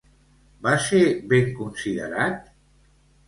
Va ser ben considerat?